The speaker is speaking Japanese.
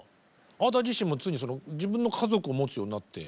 あなた自身もついに自分の家族を持つようになって。